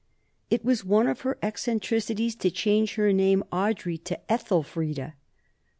It was one of her eccentricities to change her name Audrey to Ethelfreda.